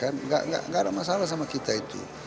tidak ada masalah sama kita itu